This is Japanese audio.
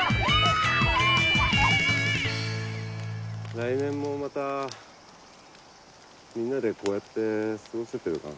来年もまたみんなでこうやって過ごせてるかな？